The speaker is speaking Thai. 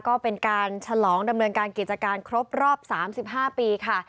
ก็เป็นการฉลองดำเนินการกิจการครบรอบ๓๕ปีค่ะ